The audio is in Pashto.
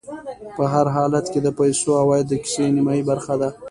په هر حالت کې د پیسو عوايد د کيسې نیمایي برخه ده